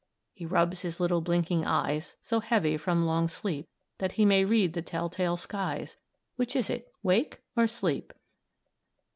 He rubs his little blinking eyes, So heavy from long sleep, That he may read the tell tale skies Which is it wake or sleep?"